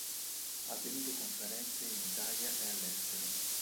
Ha tenuto conferenze in Italia e all'estero.